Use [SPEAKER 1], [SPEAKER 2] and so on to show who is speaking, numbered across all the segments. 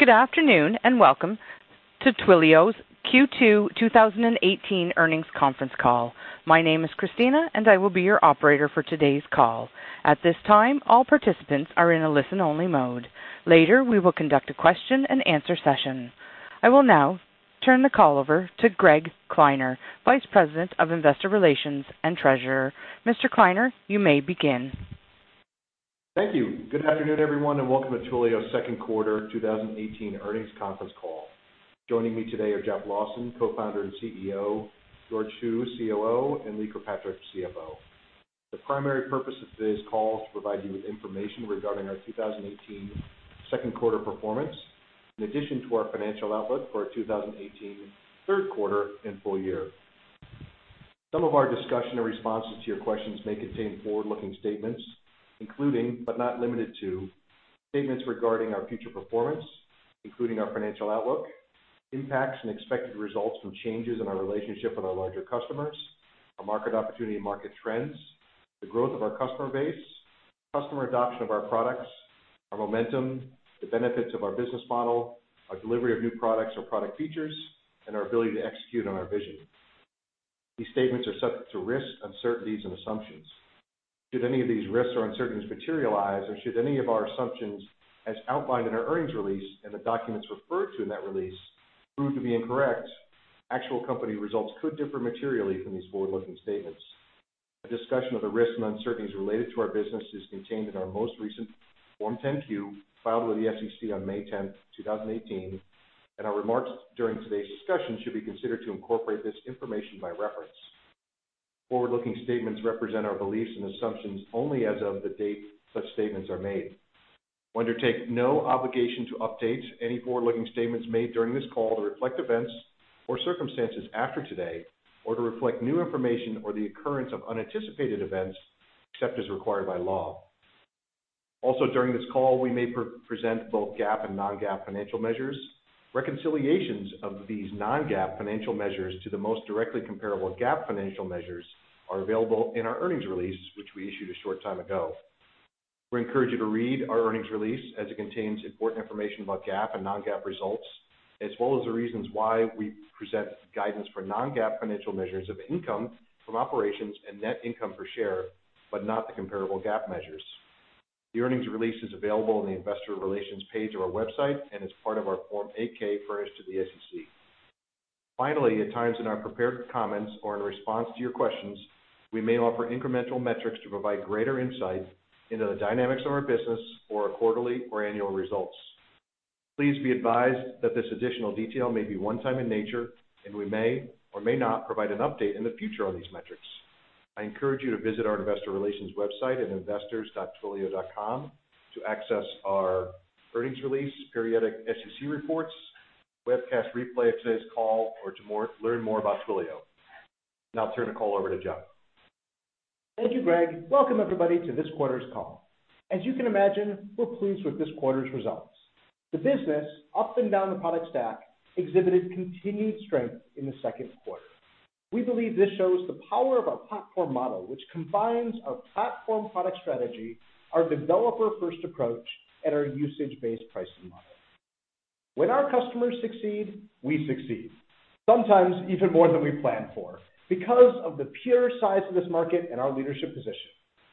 [SPEAKER 1] Good afternoon. Welcome to Twilio's Q2 2018 earnings conference call. My name is Christina, and I will be your operator for today's call. At this time, all participants are in a listen-only mode. Later, we will conduct a question and answer session. I will now turn the call over to Greg Kleiner, Vice President of Investor Relations and Treasurer. Mr. Kleiner, you may begin.
[SPEAKER 2] Thank you. Good afternoon, everyone. Welcome to Twilio's second quarter 2018 earnings conference call. Joining me today are Jeff Lawson, Co-founder and Chief Executive Officer, George Hu, Chief Operating Officer, and Lee Kirkpatrick, Chief Financial Officer. The primary purpose of today's call is to provide you with information regarding our 2018 second quarter performance, in addition to our financial outlook for our 2018 third quarter and full year. Some of our discussion or responses to your questions may contain forward-looking statements, including, but not limited to, statements regarding our future performance, including our financial outlook, impacts and expected results from changes in our relationship with our larger customers, our market opportunity and market trends, the growth of our customer base, customer adoption of our products, our momentum, the benefits of our business model, our delivery of new products or product features, and our ability to execute on our vision. These statements are subject to risks, uncertainties, and assumptions. Should any of these risks or uncertainties materialize or should any of our assumptions as outlined in our earnings release and the documents referred to in that release prove to be incorrect, actual company results could differ materially from these forward-looking statements. A discussion of the risks and uncertainties related to our business is contained in our most recent Form 10-Q filed with the SEC on May 10th, 2018. Our remarks during today's discussion should be considered to incorporate this information by reference. Forward-looking statements represent our beliefs and assumptions only as of the date such statements are made. We undertake no obligation to update any forward-looking statements made during this call to reflect events or circumstances after today, or to reflect new information or the occurrence of unanticipated events, except as required by law. During this call, we may present both GAAP and non-GAAP financial measures. Reconciliations of these non-GAAP financial measures to the most directly comparable GAAP financial measures are available in our earnings release, which we issued a short time ago. We encourage you to read our earnings release as it contains important information about GAAP and non-GAAP results, as well as the reasons why we present guidance for non-GAAP financial measures of income from operations and net income per share, but not the comparable GAAP measures. The earnings release is available on the investor relations page of our website and is part of our Form 8-K furnished to the SEC. At times in our prepared comments or in response to your questions, we may offer incremental metrics to provide greater insight into the dynamics of our business or our quarterly or annual results. Please be advised that this additional detail may be one-time in nature, and we may or may not provide an update in the future on these metrics. I encourage you to visit our investor relations website at investors.twilio.com to access our earnings release, periodic SEC reports, webcast replay of today's call or to learn more about Twilio. Now I'll turn the call over to Jeff.
[SPEAKER 3] Thank you, Greg. Welcome everybody to this quarter's call. As you can imagine, we're pleased with this quarter's results. The business up and down the product stack exhibited continued strength in the second quarter. We believe this shows the power of our platform model, which combines our platform product strategy, our developer-first approach, and our usage-based pricing model. When our customers succeed, we succeed. Sometimes even more than we plan for because of the pure size of this market and our leadership position.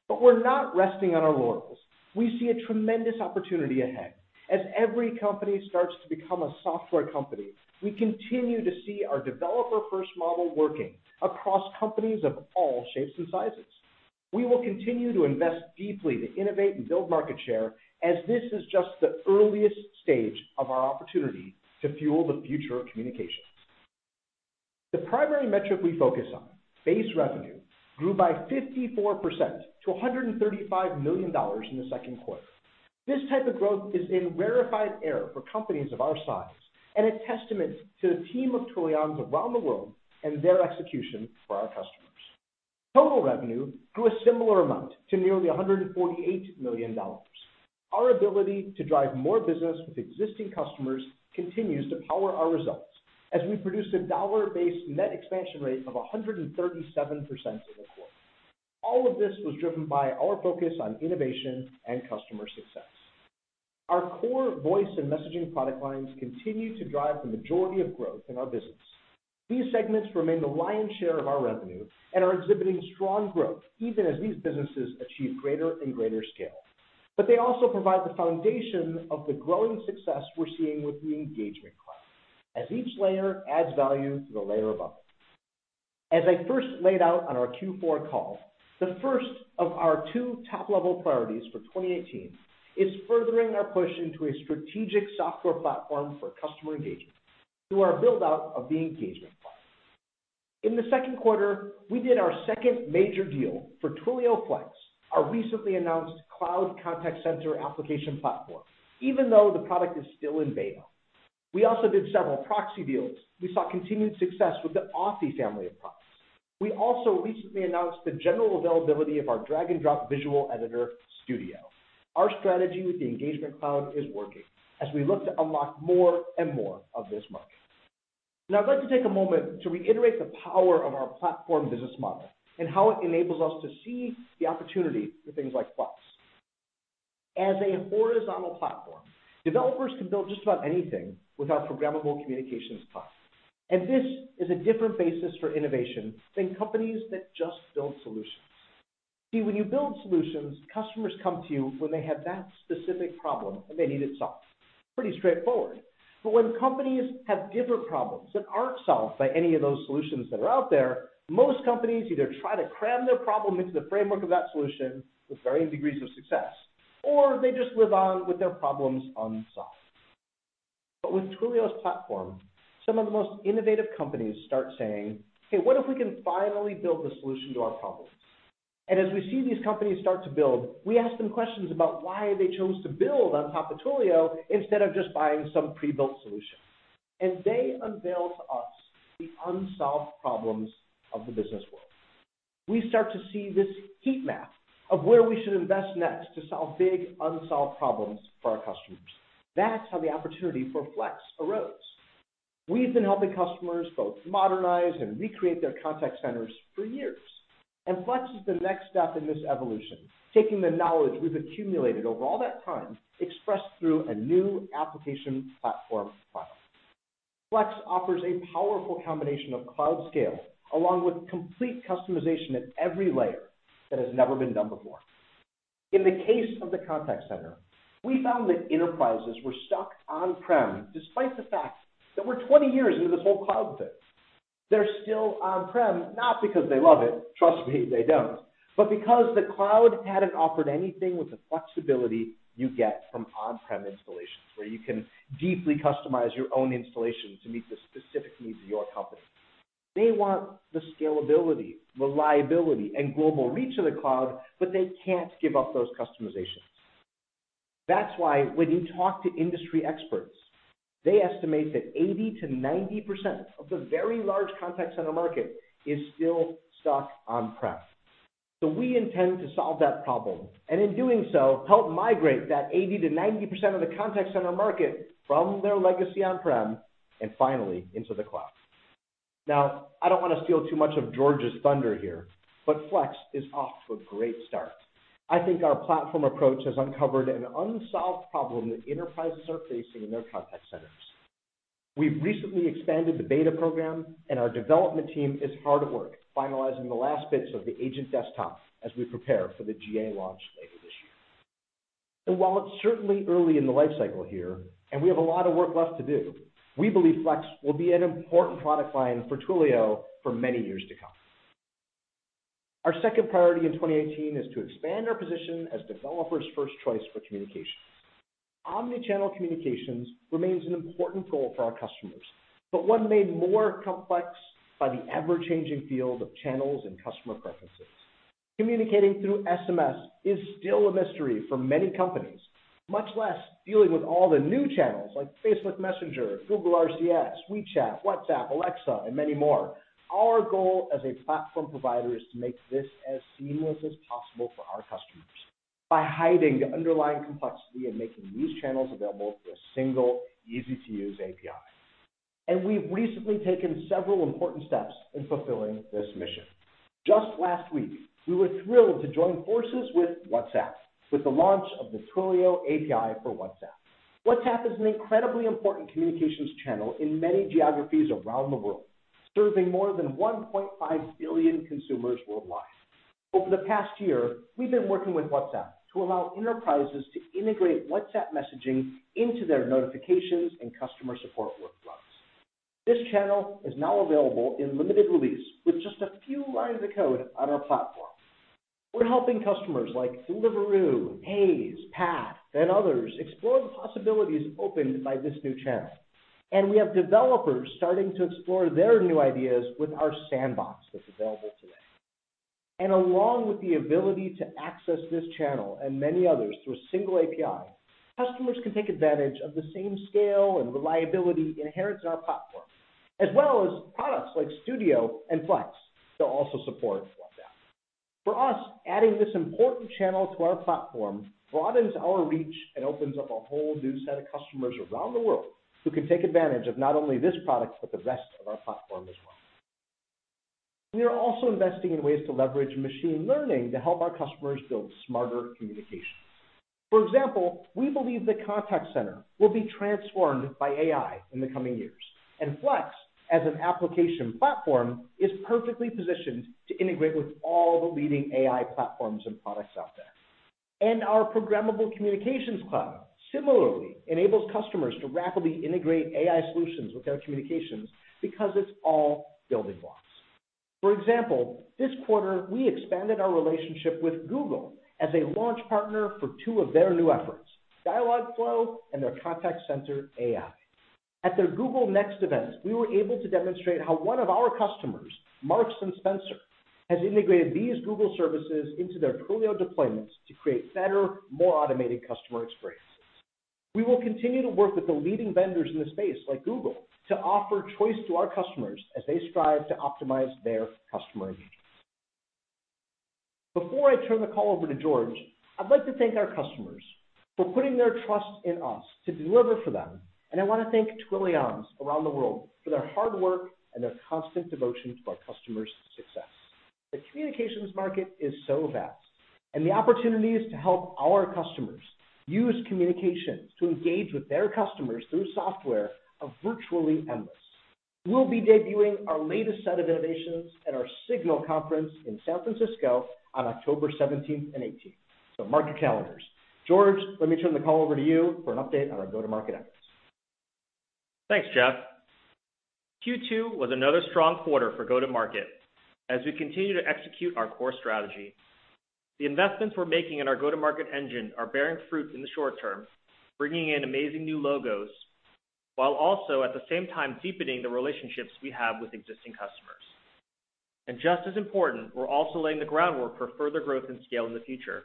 [SPEAKER 3] We're not resting on our laurels. We see a tremendous opportunity ahead. As every company starts to become a software company, we continue to see our developer-first model working across companies of all shapes and sizes. We will continue to invest deeply to innovate and build market share as this is just the earliest stage of our opportunity to fuel the future of communications. The primary metric we focus on, base revenue, grew by 54% to $135 million in the second quarter. This type of growth is in rarefied air for companies of our size, and a testament to the team of Twilions around the world and their execution for our customers. Total revenue grew a similar amount to nearly $148 million. Our ability to drive more business with existing customers continues to power our results as we produced a dollar-based net expansion rate of 137% in the quarter. All of this was driven by our focus on innovation and customer success. Our core voice and messaging product lines continue to drive the majority of growth in our business. These segments remain the lion's share of our revenue and are exhibiting strong growth even as these businesses achieve greater and greater scale. They also provide the foundation of the growing success we're seeing with the Engagement Cloud as each layer adds value to the layer above. As I first laid out on our Q4 call, the first of our two top-level priorities for 2018 is furthering our push into a strategic software platform for customer engagement through our build-out of the Engagement Cloud. In the second quarter, we did our second major deal for Twilio Flex, our recently announced cloud contact center application platform, even though the product is still in beta. We also did several Proxy deals. We saw continued success with the Authy family of products. We also recently announced the general availability of our drag-and-drop visual editor Studio. Our strategy with the Engagement Cloud is working as we look to unlock more and more of this market. I'd like to take a moment to reiterate the power of our platform business model and how it enables us to see the opportunity for things like Flex. As a horizontal platform, developers can build just about anything with our programmable communications platform. This is a different basis for innovation than companies that just build solutions. See, when you build solutions, customers come to you when they have that specific problem, and they need it solved. Pretty straightforward. When companies have different problems that aren't solved by any of those solutions that are out there, most companies either try to cram their problem into the framework of that solution with varying degrees of success, or they just live on with their problems unsolved. With Twilio's platform, some of the most innovative companies start saying, "Okay, what if we can finally build the solution to our problems?" As we see these companies start to build, we ask them questions about why they chose to build on top of Twilio instead of just buying some pre-built solution. They unveil to us the unsolved problems of the business world. We start to see this heat map of where we should invest next to solve big, unsolved problems for our customers. That's how the opportunity for Flex arose. We've been helping customers both modernize and recreate their contact centers for years, and Flex is the next step in this evolution, taking the knowledge we've accumulated over all that time, expressed through a new application platform product. Flex offers a powerful combination of cloud scale, along with complete customization at every layer that has never been done before. In the case of the contact center, we found that enterprises were stuck on-prem, despite the fact that we're 20 years into this whole cloud thing. They're still on-prem, not because they love it, trust me, they don't, but because the cloud hadn't offered anything with the flexibility you get from on-prem installations, where you can deeply customize your own installation to meet the specific needs of your company. They want the scalability, reliability, and global reach of the cloud, but they can't give up those customizations. That's why when you talk to industry experts, they estimate that 80%-90% of the very large contact center market is still stuck on-prem. We intend to solve that problem, and in doing so, help migrate that 80%-90% of the contact center market from their legacy on-prem and finally into the cloud. I don't want to steal too much of George's thunder here, Flex is off to a great start. I think our platform approach has uncovered an unsolved problem that enterprises are facing in their contact centers. We've recently expanded the beta program, and our development team is hard at work finalizing the last bits of the agent desktop as we prepare for the GA launch later this year. While it's certainly early in the life cycle here, and we have a lot of work left to do, we believe Flex will be an important product line for Twilio for many years to come. Our second priority in 2018 is to expand our position as developers' first choice for communications. Omnichannel communications remains an important goal for our customers, but one made more complex by the ever-changing field of channels and customer preferences. Communicating through SMS is still a mystery for many companies, much less dealing with all the new channels like Facebook Messenger, Google RCS, WeChat, WhatsApp, Alexa, and many more. Our goal as a platform provider is to make this as seamless as possible for our customers by hiding the underlying complexity and making these channels available through a single easy-to-use API. We've recently taken several important steps in fulfilling this mission. Just last week, we were thrilled to join forces with WhatsApp with the launch of the Twilio API for WhatsApp. WhatsApp is an incredibly important communications channel in many geographies around the world, serving more than 1.5 billion consumers worldwide. Over the past year, we've been working with WhatsApp to allow enterprises to integrate WhatsApp messaging into their notifications and customer support workflows. This channel is now available in limited release with just a few lines of code on our platform. We're helping customers like Deliveroo, Hays, PATH, and others explore the possibilities opened by this new channel. We have developers starting to explore their new ideas with our sandbox that's available today. Along with the ability to access this channel and many others through a single API, customers can take advantage of the same scale and reliability inherent in our platform, as well as products like Studio and Flex that also support WhatsApp. For us, adding this important channel to our platform broadens our reach and opens up a whole new set of customers around the world who can take advantage of not only this product, but the rest of our platform as well. We are also investing in ways to leverage machine learning to help our customers build smarter communications. For example, we believe the contact center will be transformed by AI in the coming years, and Flex, as an application platform, is perfectly positioned to integrate with all the leading AI platforms and products out there. Our programmable communications cloud similarly enables customers to rapidly integrate AI solutions with their communications because it's all building blocks. This quarter, we expanded our relationship with Google as a launch partner for two of their new efforts, Dialogflow and their contact center AI. At their Google Next event, we were able to demonstrate how one of our customers, Marks & Spencer, has integrated these Google services into their Twilio deployments to create better, more automated customer experiences. We will continue to work with the leading vendors in the space, like Google, to offer choice to our customers as they strive to optimize their customer engagement Before I turn the call over to George, I'd like to thank our customers for putting their trust in us to deliver for them, and I want to thank Twilions around the world for their hard work and their constant devotion to our customers' success. The communications market is so vast, and the opportunities to help our customers use communications to engage with their customers through software are virtually endless. We'll be debuting our latest set of innovations at our SIGNAL conference in San Francisco on October 17th and 18th. Mark your calendars. George, let me turn the call over to you for an update on our go-to-market efforts.
[SPEAKER 4] Thanks, Jeff. Q2 was another strong quarter for go-to-market as we continue to execute our core strategy. The investments we're making in our go-to-market engine are bearing fruit in the short term, bringing in amazing new logos, while also at the same time deepening the relationships we have with existing customers. Just as important, we're also laying the groundwork for further growth and scale in the future.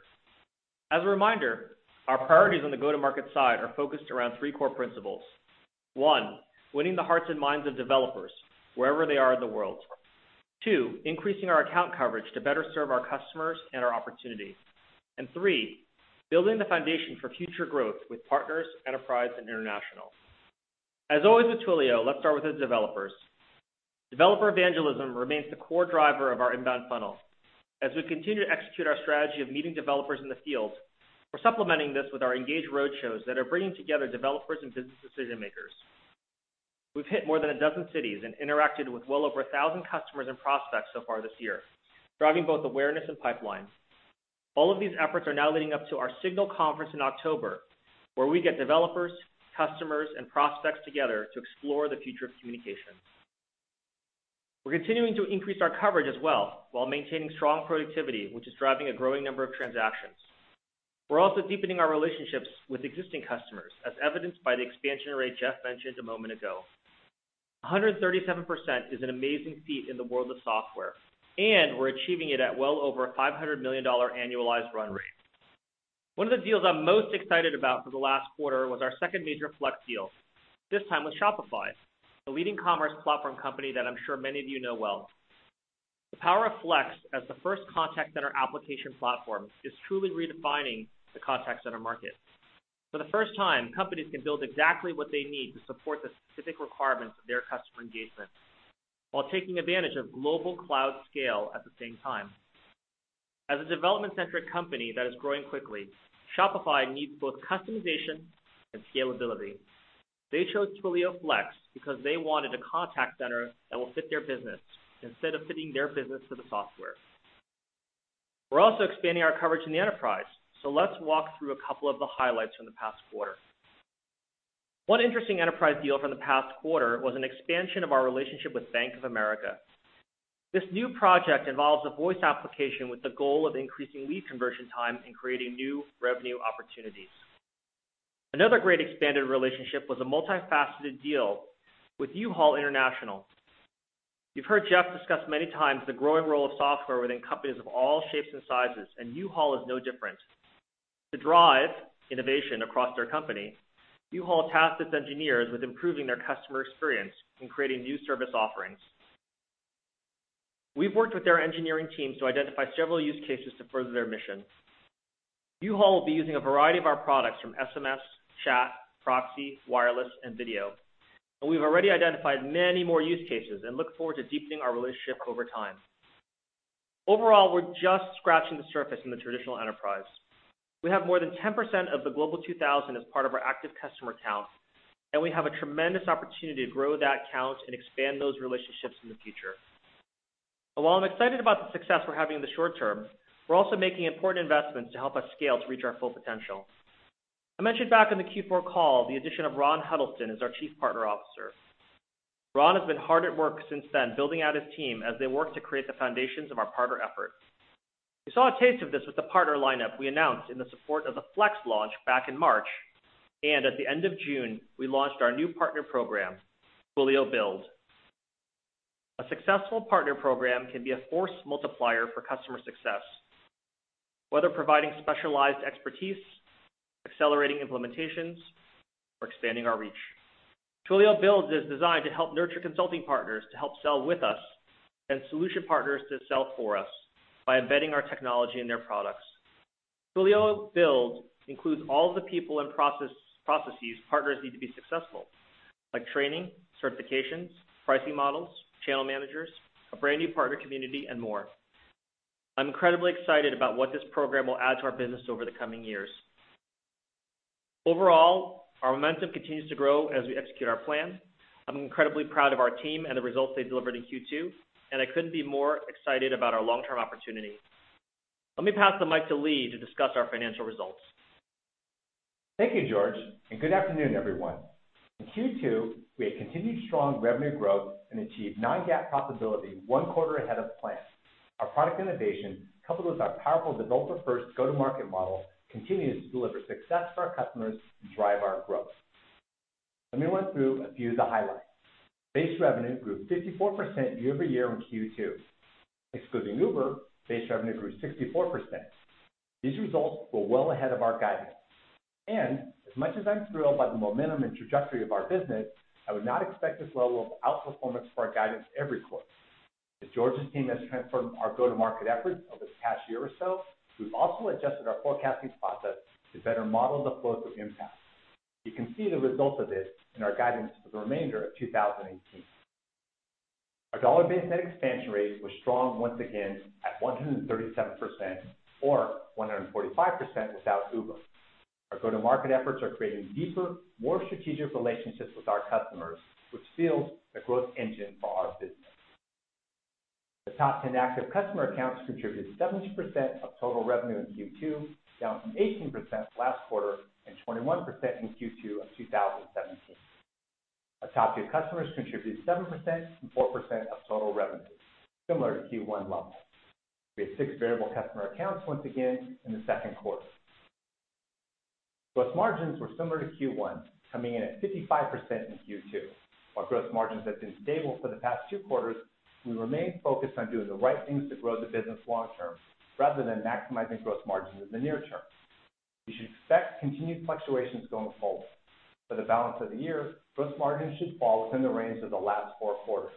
[SPEAKER 4] As a reminder, our priorities on the go-to-market side are focused around three core principles. One, winning the hearts and minds of developers wherever they are in the world. Two, increasing our account coverage to better serve our customers and our opportunities. Three, building the foundation for future growth with partners, enterprise, and international. As always with Twilio, let's start with the developers. Developer evangelism remains the core driver of our inbound funnel. As we continue to execute our strategy of meeting developers in the field, we're supplementing this with our Engage roadshows that are bringing together developers and business decision-makers. We've hit more than a dozen cities and interacted with well over 1,000 customers and prospects so far this year, driving both awareness and pipeline. All of these efforts are now leading up to our SIGNAL conference in October, where we get developers, customers, and prospects together to explore the future of communications. We're continuing to increase our coverage as well while maintaining strong productivity, which is driving a growing number of transactions. We're also deepening our relationships with existing customers, as evidenced by the expansion rate Jeff mentioned a moment ago. 137% is an amazing feat in the world of software, and we're achieving it at well over a $500 million annualized run rate. One of the deals I'm most excited about for the last quarter was our second major Flex deal, this time with Shopify, the leading commerce platform company that I'm sure many of you know well. The power of Flex as the first contact center application platform is truly redefining the contact center market. For the first time, companies can build exactly what they need to support the specific requirements of their customer engagement while taking advantage of global cloud scale at the same time. As a development-centric company that is growing quickly, Shopify needs both customization and scalability. They chose Twilio Flex because they wanted a contact center that will fit their business instead of fitting their business to the software. Let's walk through a couple of the highlights from the past quarter. One interesting enterprise deal from the past quarter was an expansion of our relationship with Bank of America. This new project involves a voice application with the goal of increasing lead conversion time and creating new revenue opportunities. Another great expanded relationship was a multifaceted deal with U-Haul International. You've heard Jeff discuss many times the growing role of software within companies of all shapes and sizes, and U-Haul is no different. To drive innovation across their company, U-Haul tasked its engineers with improving their customer experience and creating new service offerings. We've worked with their engineering team to identify several use cases to further their mission. U-Haul will be using a variety of our products from SMS, chat, Proxy, Wireless, and video, and we've already identified many more use cases and look forward to deepening our relationship over time. Overall, we're just scratching the surface in the traditional enterprise. We have more than 10% of the Global 2000 as part of our active customer count, and we have a tremendous opportunity to grow that count and expand those relationships in the future. While I'm excited about the success we're having in the short term, we're also making important investments to help us scale to reach our full potential. I mentioned back in the Q4 call the addition of Ron Huddleston as our Chief Partner Officer. Ron has been hard at work since then, building out his team as they work to create the foundations of our partner efforts. We saw a taste of this with the partner lineup we announced in the support of the Flex launch back in March, and at the end of June, we launched our new partner program, Twilio Build. A successful partner program can be a force multiplier for customer success, whether providing specialized expertise, accelerating implementations, or expanding our reach. Twilio Build is designed to help nurture consulting partners to help sell with us and solution partners to sell for us by embedding our technology in their products. Twilio Build includes all the people and processes partners need to be successful, like training, certifications, pricing models, channel managers, a brand-new partner community, and more. I'm incredibly excited about what this program will add to our business over the coming years. Overall, our momentum continues to grow as we execute our plan. I'm incredibly proud of our team and the results they delivered in Q2, and I couldn't be more excited about our long-term opportunity. Let me pass the mic to Lee to discuss our financial results.
[SPEAKER 5] Thank you, George, and good afternoon, everyone. In Q2, we had continued strong revenue growth and achieved non-GAAP profitability one quarter ahead of plan. Our product innovation, coupled with our powerful developer-first go-to-market model, continues to deliver success for our customers and drive our growth. Let me run through a few of the highlights. Base revenue grew 54% year-over-year in Q2. Excluding Uber, base revenue grew 64%. These results were well ahead of our guidance. As much as I'm thrilled by the momentum and trajectory of our business, I would not expect this level of outperformance for our guidance every quarter. As George's team has transformed our go-to-market efforts over this past year or so, we've also adjusted our forecasting process to better model the flow of impact. You can see the results of this in our guidance for the remainder of 2018. Our dollar-based net expansion rate was strong once again at 137%, or 145% without Uber. Our go-to-market efforts are creating deeper, more strategic relationships with our customers, which fuels the growth engine for our business. The top 10 active customer accounts contributed 17% of total revenue in Q2, down from 18% last quarter and 21% in Q2 of 2017. Our top tier customers contributed 7% and 4% of total revenue, similar to Q1 levels. We had six variable customer accounts once again in the second quarter. Gross margins were similar to Q1, coming in at 55% in Q2. While gross margins have been stable for the past two quarters, we remain focused on doing the right things to grow the business long term rather than maximizing gross margins in the near term. You should expect continued fluctuations going forward. For the balance of the year, gross margins should fall within the range of the last four quarters.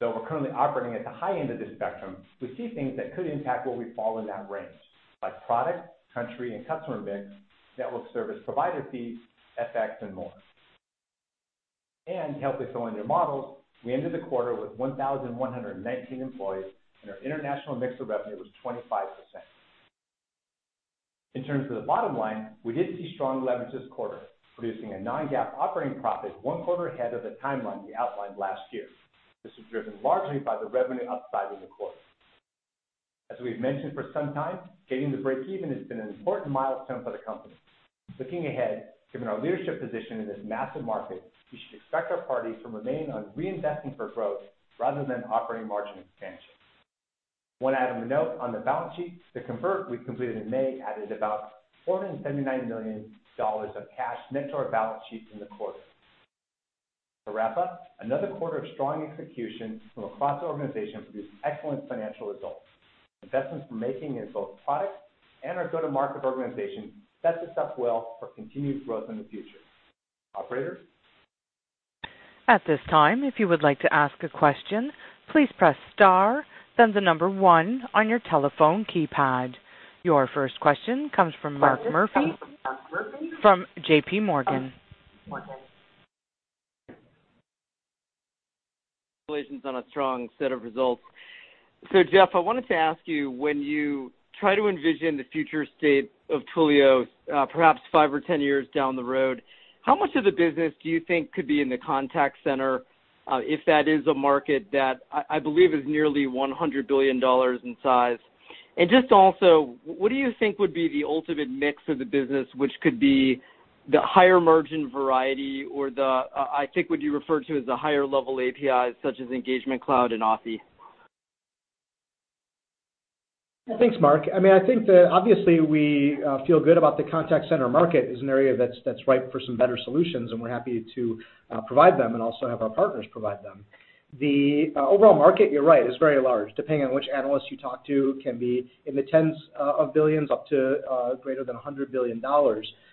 [SPEAKER 5] Though we're currently operating at the high end of this spectrum, we see things that could impact where we fall in that range, like product, country, and customer mix, network service provider fees, FX, and more. To help us build new models, we ended the quarter with 1,119 employees, and our international mix of revenue was 25%. In terms of the bottom line, we did see strong leverage this quarter, producing a non-GAAP operating profit one quarter ahead of the timeline we outlined last year. This was driven largely by the revenue upside in the quarter. As we've mentioned for some time, getting to breakeven has been an important milestone for the company. Looking ahead, given our leadership position in this massive market, we should expect our priorities to remain on reinvesting for growth rather than operating margin expansion. One item to note on the balance sheet, the convert we completed in May added about $479 million of cash net to our balance sheet in the quarter. To wrap up, another quarter of strong execution from across the organization produced excellent financial results. Investments we're making in both product and our go-to-market organization sets us up well for continued growth in the future. Operator?
[SPEAKER 1] At this time, if you would like to ask a question, please press star, then the number one on your telephone keypad. Your first question comes from Mark Murphy from J.P. Morgan.
[SPEAKER 6] Congratulations on a strong set of results. Jeff, I wanted to ask you, when you try to envision the future state of Twilio perhaps five or 10 years down the road, how much of the business do you think could be in the contact center, if that is a market that I believe is nearly $100 billion in size? Just also, what do you think would be the ultimate mix of the business, which could be the higher margin variety or the, I think, what you refer to as the higher level APIs, such as Engagement Cloud and Authy?
[SPEAKER 5] Thanks, Mark. I think that obviously we feel good about the contact center market as an area that's ripe for some better solutions, and we're happy to provide them and also have our partners provide them. The overall market, you're right, is very large, depending on which analyst you talk to, can be in the tens of billions up to greater than $100 billion,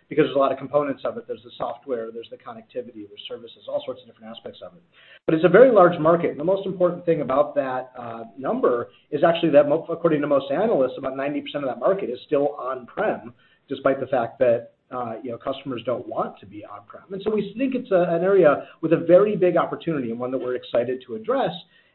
[SPEAKER 5] because there's a lot of components of it. There's the software, there's the connectivity, there's services, all sorts of different aspects of it. It's a very large market. The most important thing about that number is actually that according to most analysts, about 90% of that market is still on-prem, despite the fact that customers don't want to be on-prem. We think it's an area with a very big opportunity and one that we're excited to address.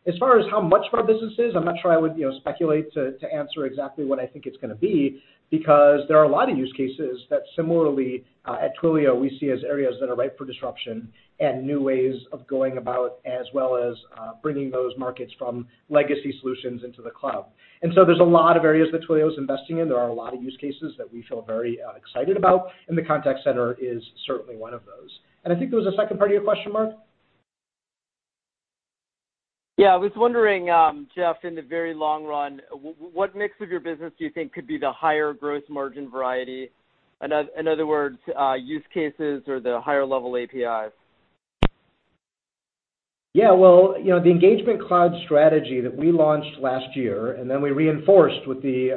[SPEAKER 3] As far as how much of our business is, I'm not sure I would speculate to answer exactly what I think it's going to be, because there are a lot of use cases that similarly at Twilio, we see as areas that are ripe for disruption and new ways of going about, as well as bringing those markets from legacy solutions into the cloud. There's a lot of areas that Twilio is investing in. There are a lot of use cases that we feel very excited about, and the contact center is certainly one of those. I think there was a second part to your question, Mark?
[SPEAKER 6] Yeah, I was wondering, Jeff, in the very long run, what mix of your business do you think could be the higher gross margin variety? In other words, use cases or the higher level APIs.
[SPEAKER 3] Well the Engagement Cloud strategy that we launched last year, then we reinforced with the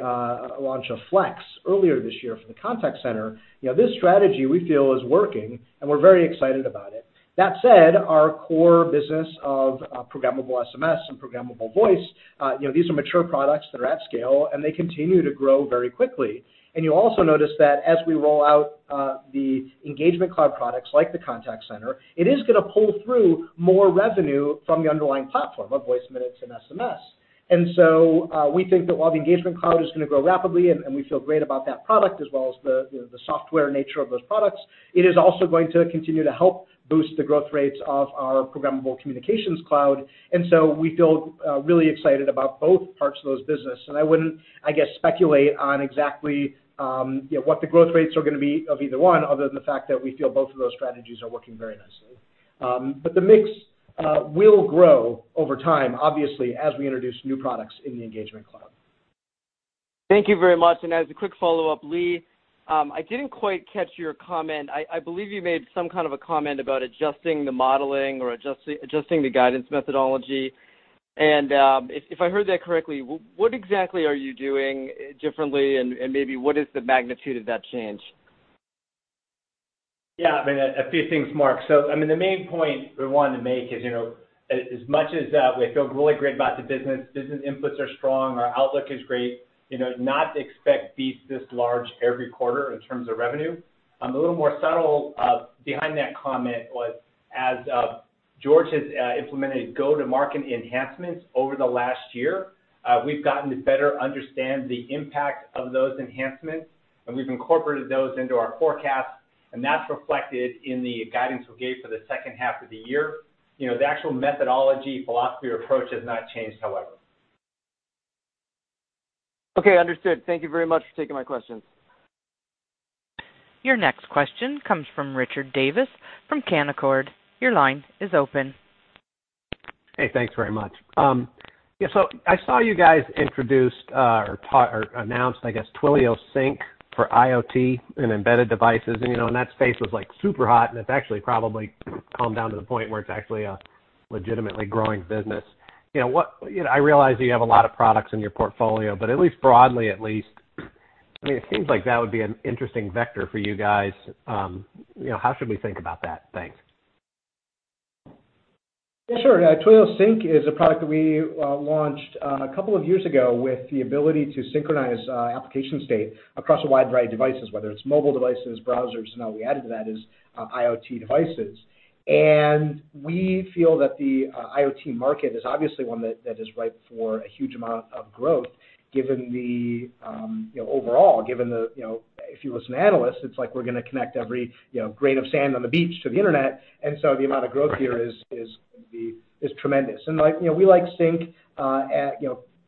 [SPEAKER 3] launch of Flex earlier this year for the contact center. This strategy we feel is working, and we're very excited about it. That said, our core business of programmable SMS and programmable voice, these are mature products that are at scale, and they continue to grow very quickly. You'll also notice that as we roll out the Engagement Cloud products like the contact center, it is going to pull through more revenue from the underlying platform of voice minutes and SMS. We think that while the Engagement Cloud is going to grow rapidly and we feel great about that product as well as the software nature of those products, it is also going to continue to help boost the growth rates of our programmable communications cloud. We feel really excited about both parts of those business. I wouldn't, I guess, speculate on exactly what the growth rates are going to be of either one other than the fact that we feel both of those strategies are working very nicely. The mix will grow over time, obviously, as we introduce new products in the Engagement Cloud.
[SPEAKER 6] Thank you very much. As a quick follow-up, Lee, I didn't quite catch your comment. I believe you made some kind of a comment about adjusting the modeling or adjusting the guidance methodology. If I heard that correctly, what exactly are you doing differently, and maybe what is the magnitude of that change?
[SPEAKER 5] Yeah, a few things, Mark. The main point we wanted to make is, as much as we feel really great about the business inputs are strong, our outlook is great, not to expect beats this large every quarter in terms of revenue. A little more subtle behind that comment was, as George has implemented go-to-market enhancements over the last year, we've gotten to better understand the impact of those enhancements, and we've incorporated those into our forecast, and that's reflected in the guidance we gave for the second half of the year. The actual methodology, philosophy, or approach has not changed, however.
[SPEAKER 6] Okay, understood. Thank you very much for taking my questions.
[SPEAKER 1] Your next question comes from Richard Davis from Canaccord. Your line is open.
[SPEAKER 7] Hey, thanks very much. I saw you guys introduced or announced, I guess, Twilio Sync for IoT and embedded devices, and that space was super hot, and it's actually probably calmed down to the point where it's actually a legitimately growing business. I realize that you have a lot of products in your portfolio, but at least broadly, it seems like that would be an interesting vector for you guys. How should we think about that? Thanks.
[SPEAKER 3] Yeah, sure. Twilio Sync is a product that we launched a couple of years ago with the ability to synchronize application state across a wide variety of devices, whether it's mobile devices, browsers. Now we added to that is IoT devices. We feel that the IoT market is obviously one that is ripe for a huge amount of growth, overall. If you listen to analysts, it's like we're going to connect every grain of sand on the beach to the internet, so the amount of growth here is tremendous. We like Sync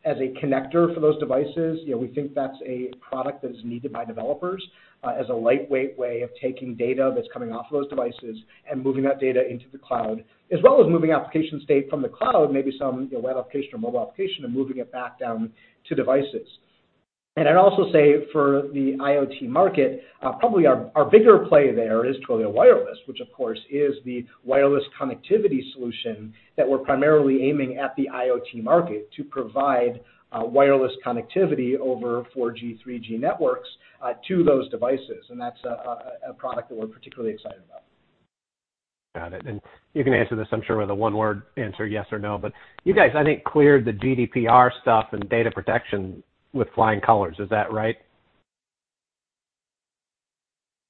[SPEAKER 3] as a connector for those devices. We think that's a product that is needed by developers as a lightweight way of taking data that's coming off of those devices and moving that data into the cloud, as well as moving application state from the cloud, maybe some web application or mobile application, and moving it back down to devices. I'd also say for the IoT market, probably our bigger play there is Twilio Wireless, which of course is the wireless connectivity solution that we're primarily aiming at the IoT market to provide wireless connectivity over 4G, 3G networks to those devices. That's a product that we're particularly excited about.
[SPEAKER 7] Got it. You can answer this, I'm sure, with a one-word answer, yes or no, but you guys, I think, cleared the GDPR stuff and data protection with flying colors. Is that right?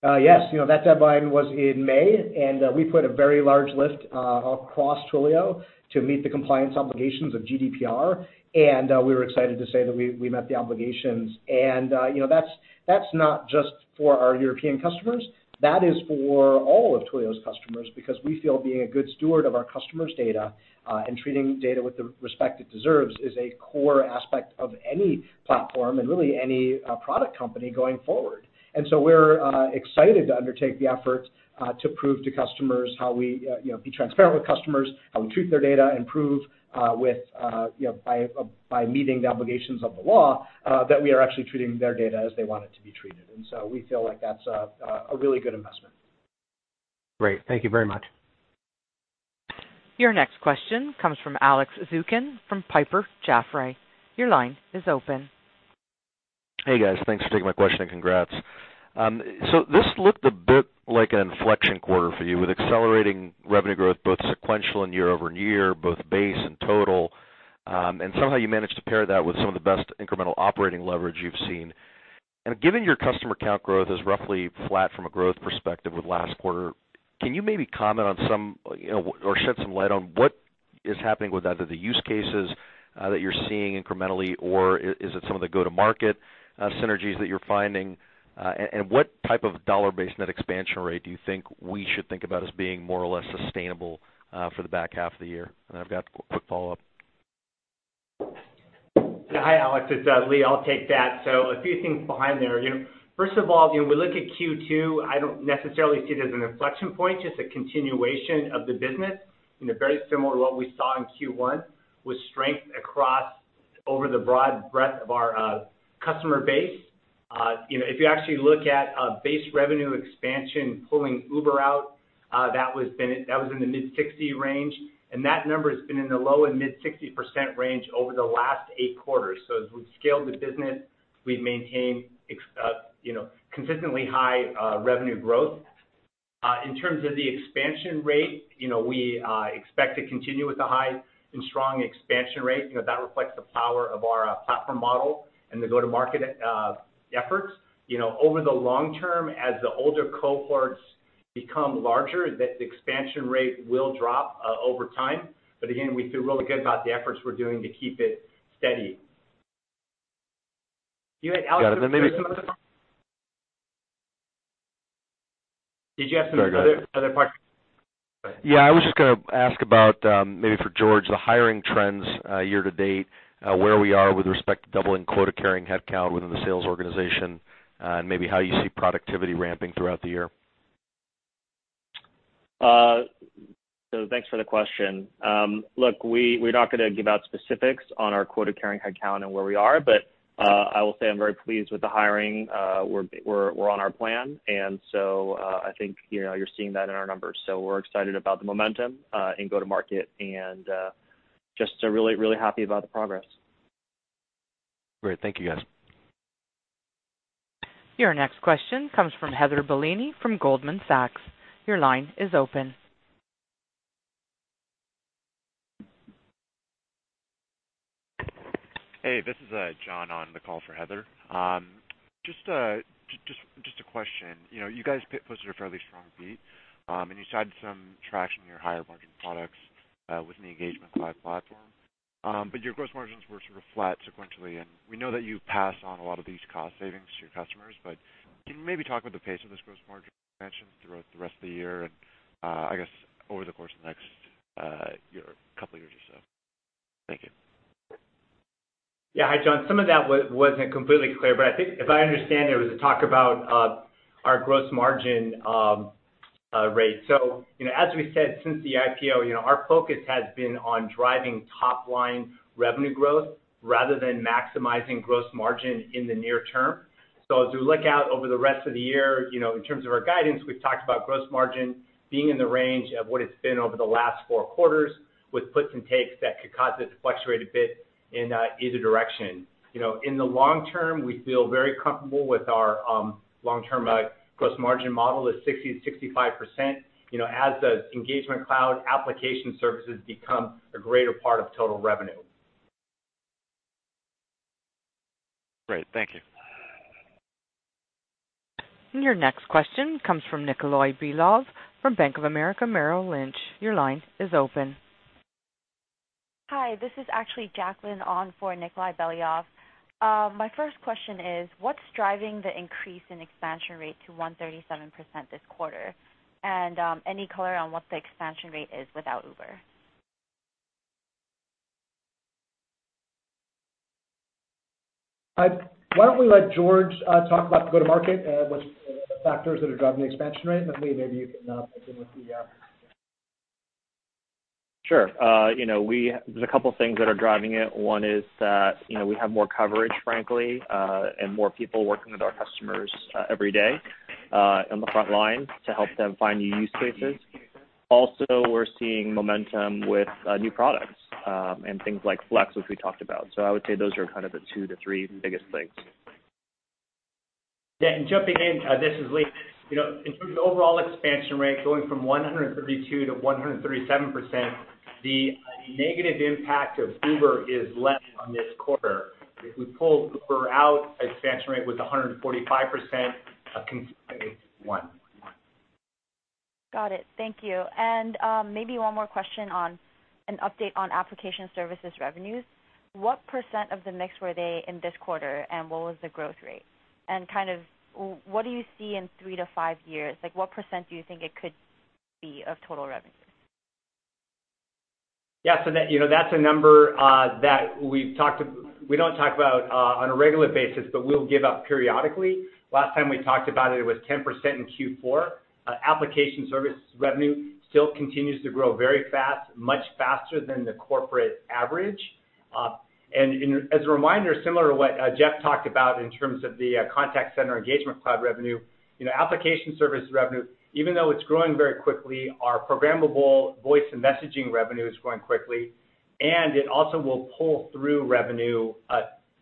[SPEAKER 3] Yes. That deadline was in May. We put a very large lift across Twilio to meet the compliance obligations of GDPR. We were excited to say that we met the obligations. That's not just for our European customers. That is for all of Twilio's customers because we feel being a good steward of our customers' data and treating data with the respect it deserves is a core aspect of any platform and really any product company going forward. We're excited to undertake the effort to be transparent with customers, how we treat their data, and prove by meeting the obligations of the law, that we are actually treating their data as they want it to be treated. We feel like that's a really good investment.
[SPEAKER 7] Great. Thank you very much.
[SPEAKER 1] Your next question comes from Alex Zukin from Piper Jaffray. Your line is open.
[SPEAKER 8] Hey, guys. Thanks for taking my question, and congrats. This looked a bit like an inflection quarter for you with accelerating revenue growth, both sequential and year-over-year, both base and total. Somehow you managed to pair that with some of the best incremental operating leverage you've seen. Given your customer count growth is roughly flat from a growth perspective with last quarter, can you maybe comment on some or shed some light on what is happening with either the use cases that you're seeing incrementally, or is it some of the go-to-market synergies that you're finding? What type of dollar-based net expansion rate do you think we should think about as being more or less sustainable for the back half of the year? I've got a quick follow-up.
[SPEAKER 5] Hi, Alex. It's Lee. I'll take that. A few things behind there. First of all, when we look at Q2, I don't necessarily see it as an inflection point, just a continuation of the business, very similar to what we saw in Q1, with strength across over the broad breadth of our customer base. If you actually look at base revenue expansion, pulling Uber out, that was in the mid 60 range, and that number has been in the low and mid 60% range over the last eight quarters. As we've scaled the business, we've maintained consistently high revenue growth. In terms of the expansion rate, we expect to continue with the high and strong expansion rate. That reflects the power of our platform model and the go-to-market efforts. Over the long term, as the older cohorts become larger, the expansion rate will drop over time. Again, we feel really good about the efforts we're doing to keep it steady. Alex, did you have some other part?
[SPEAKER 8] Yeah, I was just going to ask about, maybe for George, the hiring trends year to date, where we are with respect to doubling quota-carrying headcount within the sales organization, and maybe how you see productivity ramping throughout the year.
[SPEAKER 4] Thanks for the question. Look, we're not going to give out specifics on our quota-carrying headcount and where we are, but I will say I'm very pleased with the hiring. We're on our plan, I think you're seeing that in our numbers. We're excited about the momentum in go-to-market and just really happy about the progress.
[SPEAKER 8] Great. Thank you, guys.
[SPEAKER 1] Your next question comes from Heather Bellini from Goldman Sachs. Your line is open.
[SPEAKER 9] Hey, this is John on the call for Heather. Just a question. You guys posted a fairly strong beat, and you showed some traction in your higher margin products within the Engagement Cloud platform. Your gross margins were sort of flat sequentially, and we know that you pass on a lot of these cost savings to your customers. Can you maybe talk about the pace of this gross margin expansion throughout the rest of the year, and I guess over the course of the next couple years or so? Thank you.
[SPEAKER 5] Yeah. Hi, John. Some of that wasn't completely clear, I think if I understand, there was a talk about our gross margin rate. As we said, since the IPO, our focus has been on driving top-line revenue growth rather than maximizing gross margin in the near term. As we look out over the rest of the year, in terms of our guidance, we've talked about gross margin being in the range of what it's been over the last four quarters, with puts and takes that could cause it to fluctuate a bit in either direction. In the long term, we feel very comfortable with our long-term gross margin model is 60%-65%, as the Engagement Cloud application services become a greater part of total revenue.
[SPEAKER 9] Great. Thank you.
[SPEAKER 1] Your next question comes from Nikolay Beliov from Bank of America Merrill Lynch. Your line is open.
[SPEAKER 10] Hi, this is actually Jacqueline on for Nikolay Beliov. My first question is what's driving the increase in expansion rate to 137% this quarter? Any color on what the expansion rate is without Uber?
[SPEAKER 3] Why don't we let George talk about go-to-market, what's the factors that are driving the expansion rate, then Lee, maybe you can.
[SPEAKER 4] Sure. There's a couple things that are driving it. One is that we have more coverage, frankly, and more people working with our customers every day on the front lines to help them find new use cases. Also, we're seeing momentum with new products, and things like Flex, which we talked about. I would say those are kind of the two to three biggest things.
[SPEAKER 5] Yeah, jumping in, this is Lee. In terms of overall expansion rate going from 132% to 137%, the negative impact of Uber is less on this quarter. If we pulled Uber out, expansion rate was 145%, a considerable one.
[SPEAKER 10] Got it. Thank you. Maybe one more question on an update on application services revenues. What % of the mix were they in this quarter, and what was the growth rate? What do you see in three to five years? What % do you think it could be of total revenue?
[SPEAKER 5] Yeah. That's a number that we don't talk about on a regular basis, but we'll give out periodically. Last time we talked about it was 10% in Q4. Application service revenue still continues to grow very fast, much faster than the corporate average. As a reminder, similar to what Jeff talked about in terms of the contact center Engagement Cloud revenue. Application service revenue, even though it's growing very quickly, our programmable voice and messaging revenue is growing quickly, and it also will pull through revenue.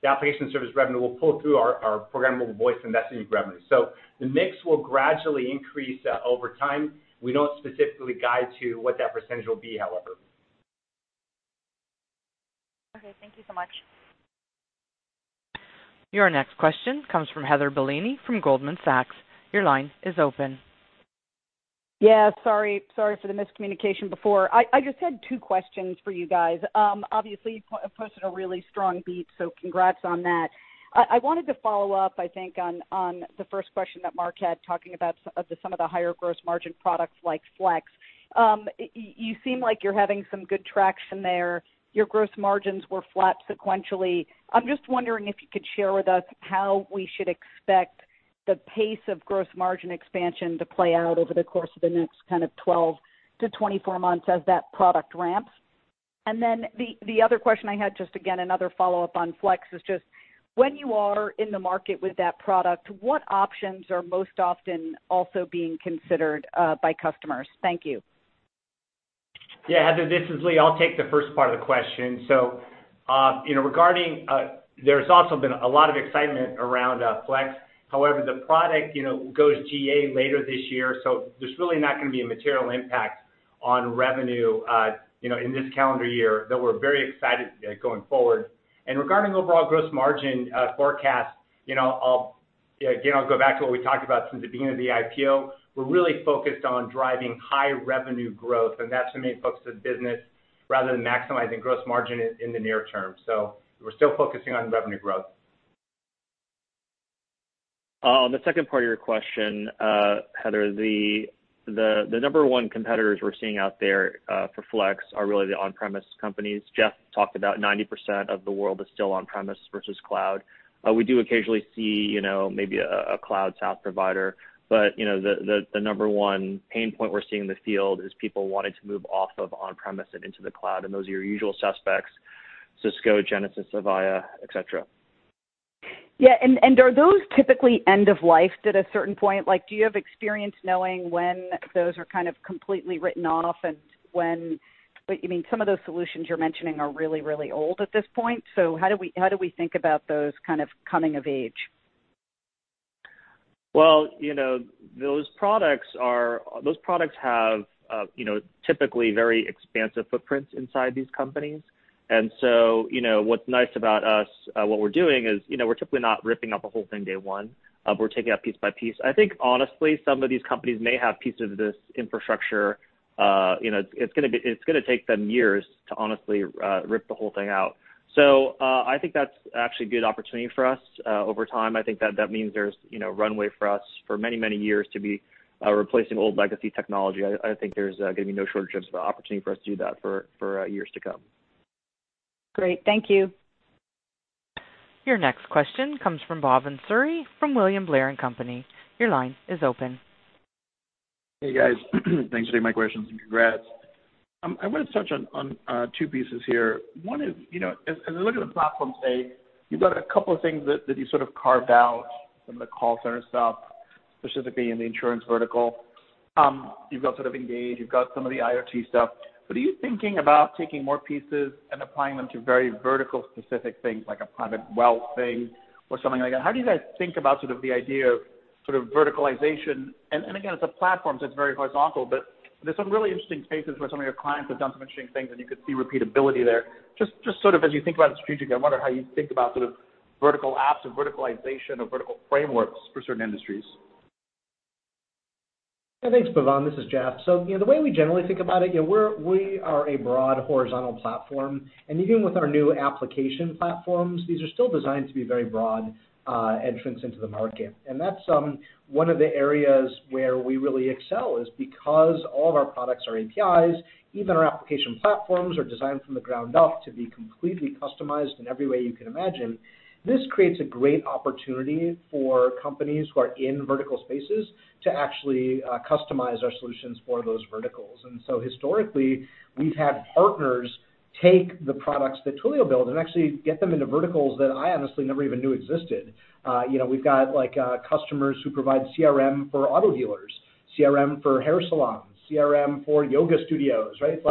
[SPEAKER 5] The application service revenue will pull through our programmable voice and messaging revenue. The mix will gradually increase over time. We don't specifically guide to what that % will be, however.
[SPEAKER 10] Okay, thank you so much.
[SPEAKER 1] Your next question comes from Heather Bellini from Goldman Sachs. Your line is open.
[SPEAKER 11] Yeah, sorry for the miscommunication before. I just had two questions for you guys. Obviously, you posted a really strong beat, so congrats on that. I wanted to follow up, I think, on the first question that Mark had, talking about some of the higher gross margin products like Flex. You seem like you're having some good traction there. Your gross margins were flat sequentially. I am just wondering if you could share with us how we should expect the pace of gross margin expansion to play out over the course of the next kind of 12-24 months as that product ramps. The other question I had, just again, another follow-up on Flex, is just when you are in the market with that product, what options are most often also being considered by customers? Thank you.
[SPEAKER 5] Yeah. Heather, this is Lee. I will take the first part of the question. There has also been a lot of excitement around Flex. However, the product goes GA later this year, so there is really not going to be a material impact on revenue in this calendar year, though we are very excited going forward. Regarding overall gross margin forecast, again, I will go back to what we talked about since the beginning of the IPO. We are really focused on driving high revenue growth, and that is the main focus of the business rather than maximizing gross margin in the near term. We are still focusing on revenue growth.
[SPEAKER 4] On the second part of your question, Heather, the number 1 competitors we are seeing out there for Flex are really the on-premise companies. Jeff talked about 90% of the world is still on-premise versus cloud. We do occasionally see maybe a cloud SaaS provider. The number 1 pain point we are seeing in the field is people wanting to move off of on-premise and into the cloud, and those are your usual suspects, Cisco, Genesys, Avaya, et cetera.
[SPEAKER 11] Yeah, are those typically end of life at a certain point? Do you have experience knowing when those are kind of completely written off and when some of those solutions you're mentioning are really, really old at this point. How do we think about those kind of coming of age?
[SPEAKER 4] Well, those products have typically very expansive footprints inside these companies. What's nice about us, what we're doing is we're typically not ripping up a whole thing day one. We're taking it out piece by piece. I think, honestly, some of these companies may have pieces of this infrastructure. It's going to take them years to honestly rip the whole thing out. I think that's actually a good opportunity for us over time. I think that means there's a runway for us for many, many years to be replacing old legacy technology. I think there's going to be no shortages of opportunity for us to do that for years to come.
[SPEAKER 11] Great. Thank you.
[SPEAKER 1] Your next question comes from Bhavin Suri from William Blair & Company. Your line is open.
[SPEAKER 12] Hey, guys. Thanks for taking my questions, and congrats. I want to touch on two pieces here. One is, as I look at the platform today, you've got a couple of things that you sort of carved out from the call center stuff, specifically in the insurance vertical. You've got Engage. You've got some of the IoT stuff. Are you thinking about taking more pieces and applying them to very vertical specific things like a private wealth thing or something like that? How do you guys think about the idea of verticalization? Again, it's a platform, so it's very horizontal, but there's some really interesting spaces where some of your clients have done some interesting things, and you could see repeatability there. Just sort of as you think about the strategic, I wonder how you think about sort of vertical apps or verticalization or vertical frameworks for certain industries.
[SPEAKER 3] Yeah, thanks, Bhavin. This is Jeff. The way we generally think about it, we are a broad horizontal platform, and even with our new application platforms, these are still designed to be very broad entrants into the market. That's one of the areas where we really excel is because all of our products are APIs, even our application platforms are designed from the ground up to be completely customized in every way you can imagine. This creates a great opportunity for companies who are in vertical spaces to actually customize our solutions for those verticals. Historically, we've had partners take the products that Twilio built and actually get them into verticals that I honestly never even knew existed. We've got customers who provide CRM for auto dealers, CRM for hair salons, CRM for yoga studios, right?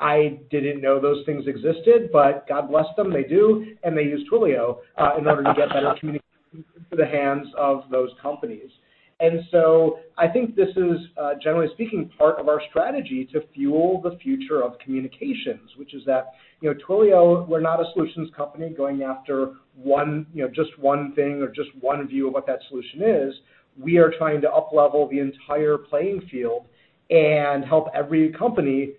[SPEAKER 3] I didn't know those things existed, but God bless them, they do, and they use Twilio in order to get better communication into the hands of those companies. I think this is, generally speaking, part of our strategy to fuel the future of communications, which is that Twilio, we're not a solutions company going after just one thing or just one view of what that solution is. We are trying to uplevel the entire playing field and help every company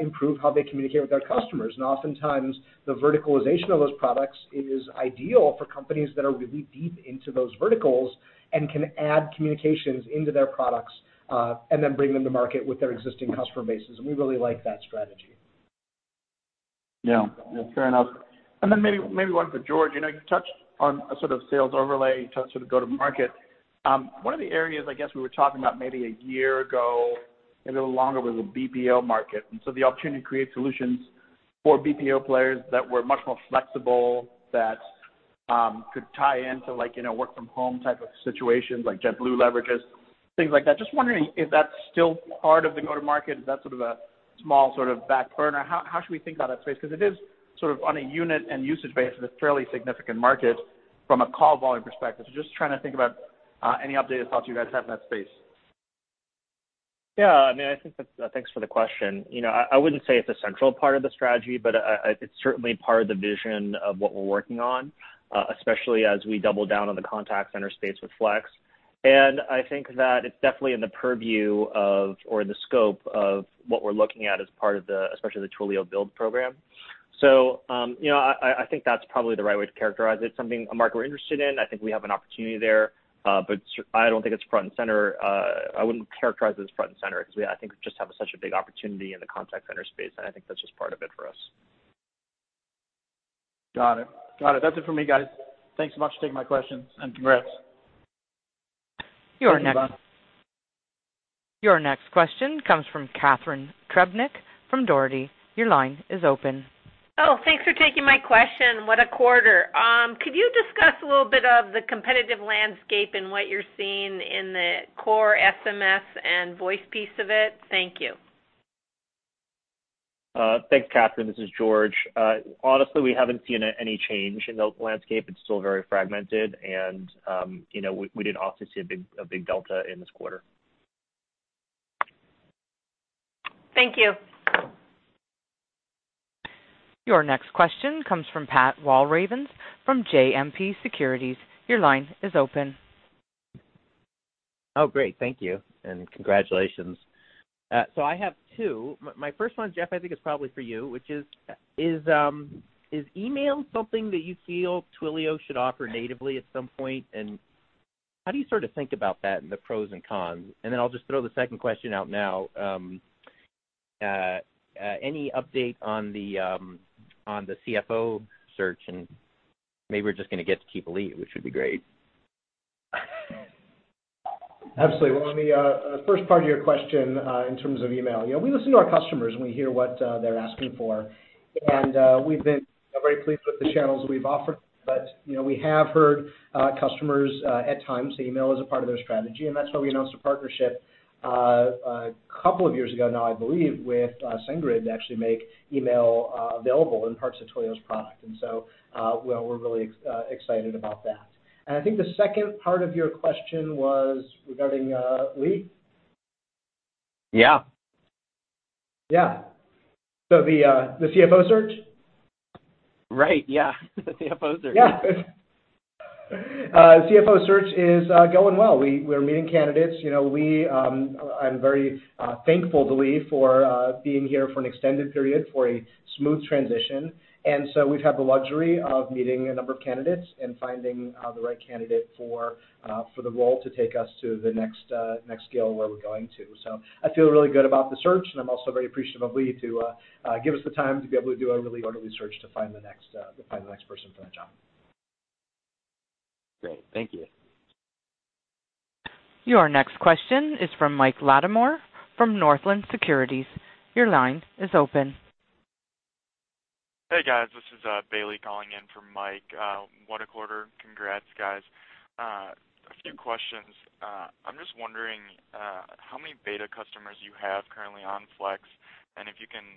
[SPEAKER 3] improve how they communicate with their customers. Oftentimes, the verticalization of those products is ideal for companies that are really deep into those verticals and can add communications into their products, and then bring them to market with their existing customer bases. We really like that strategy.
[SPEAKER 12] Yeah. Fair enough. Then maybe one for George. You touched on a sort of sales overlay. You touched sort of go-to-market. One of the areas, I guess, we were talking about maybe a year ago, maybe a little longer, was the BPO market, and the opportunity to create solutions for BPO players that were much more flexible, that could tie into work from home type of situations, like JetBlue leverages, things like that. Just wondering if that's still part of the go-to-market. Is that sort of a small sort of back burner? How should we think about that space? Because it is sort of on a unit and usage basis, a fairly significant market from a call volume perspective. Just trying to think about any updated thoughts you guys have in that space.
[SPEAKER 4] Yeah. Thanks for the question. I wouldn't say it's a central part of the strategy, but it's certainly part of the vision of what we're working on, especially as we double down on the contact center space with Flex. I think that it's definitely in the purview of, or the scope of what we're looking at as part of the, especially the Twilio Build program. I think that's probably the right way to characterize it, something, a market we're interested in. I think we have an opportunity there. I don't think it's front and center. I wouldn't characterize it as front and center because I think we just have such a big opportunity in the contact center space, and I think that's just part of it for us.
[SPEAKER 12] Got it. That's it for me, guys. Thanks so much for taking my questions, and congrats.
[SPEAKER 1] Your next-
[SPEAKER 4] Thanks, Bhavin.
[SPEAKER 1] Your next question comes from Catharine Trebnick from Dougherty. Your line is open.
[SPEAKER 13] Oh, thanks for taking my question. What a quarter. Could you discuss a little bit of the competitive landscape and what you're seeing in the core SMS and voice piece of it? Thank you.
[SPEAKER 4] Thanks, Catharine. This is George. Honestly, we haven't seen any change in the landscape. It's still very fragmented and we didn't obviously see a big delta in this quarter.
[SPEAKER 13] Thank you.
[SPEAKER 1] Your next question comes from Pat Walravens from JMP Securities. Your line is open.
[SPEAKER 14] Oh, great. Thank you, and congratulations. I have two. My first one, Jeff, I think is probably for you, which is email something that you feel Twilio should offer natively at some point? How do you sort of think about that and the pros and cons? I'll just throw the second question out now. Any update on the CFO search? Maybe we're just going to get to keep Lee, which would be great.
[SPEAKER 3] Absolutely. Well, on the first part of your question, in terms of email, we listen to our customers. We hear what they're asking for. We've been very pleased with the channels that we've offered. We have heard customers at times, email is a part of their strategy, and that's why we announced a partnership a couple of years ago now, I believe, with SendGrid to actually make email available in parts of Twilio's product. We're really excited about that. I think the second part of your question was regarding Lee? Yeah. Yeah. The CFO search? Right. Yeah. The CFO search. Yeah. CFO search is going well. We're meeting candidates. I'm very thankful to Lee for being here for an extended period for a smooth transition. We've had the luxury of meeting a number of candidates and finding the right candidate for the role to take us to the next scale where we're going to. I feel really good about the search, and I'm also very appreciative of Lee to give us the time to be able to do a really orderly search to find the next person for that job.
[SPEAKER 14] Great. Thank you.
[SPEAKER 1] Your next question is from Mike Latimore from Northland Securities. Your line is open.
[SPEAKER 15] Hey, guys. This is Bailey calling in from Mike. What a quarter. Congrats, guys. A few questions. I'm just wondering, how many beta customers you have currently on Flex, if you can